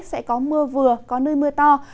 sẽ có mưa vừa có nơi mưa to